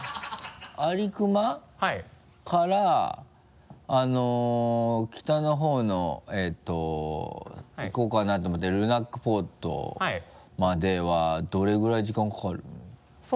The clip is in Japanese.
安里隈から北の方の行こうかなと思ってるルナックポートまではどれぐらい時間かかるの？